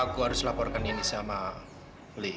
aku harus laporkan ini sama beli